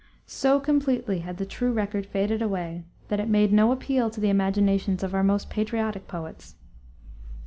So completely had the true record faded away that it made no appeal to the imaginations of our most patriotic poets.